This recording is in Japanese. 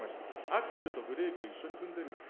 アクセルとブレーキを一緒に踏んでるんです。